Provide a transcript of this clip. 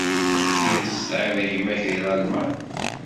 D tidet tesɛiḍ gma-k deg Lalman?